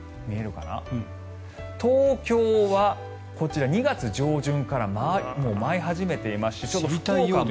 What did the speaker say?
東京はこちら２月上旬からもう舞い始めていまして福岡も。